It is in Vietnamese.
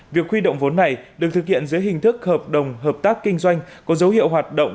việc huy động vốn này được thực hiện dưới hình thức hợp đồng hợp tác kinh doanh có dấu hiệu hoạt động